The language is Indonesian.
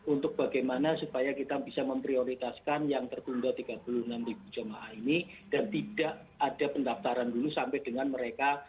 untuk bagaimana supaya kita bisa memprioritaskan yang tertunda tiga puluh enam jemaah ini dan tidak ada pendaftaran dulu sampai dengan mereka